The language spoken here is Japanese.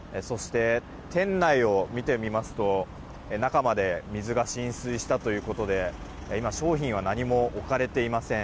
店内を見てみると中まで水が浸水したということで今、商品は何も置かれていません。